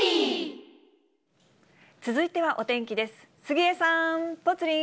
続いてはお天気です。